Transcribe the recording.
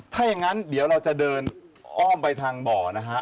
ถ้าอย่างนั้นเดี๋ยวเราจะเดินอ้อมไปทางบ่อนะฮะ